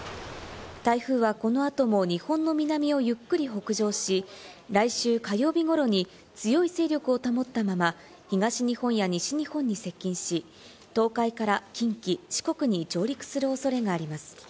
台風はこの後も日本の南をゆっくり北上し、来週火曜日ごろに強い勢力を保ったまま、東日本や西日本に接近し、東海から近畿、四国に上陸するおそれがあります。